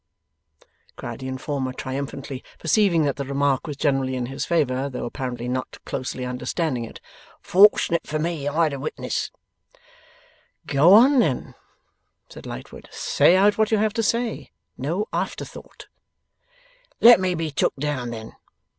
cried the informer, triumphantly perceiving that the remark was generally in his favour, though apparently not closely understanding it. 'Fort'nate for me I had a witness!' 'Go on, then,' said Lightwood. 'Say out what you have to say. No after thought.' 'Let me be took down then!